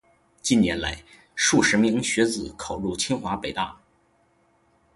近年来，数十名学子考入清华、北大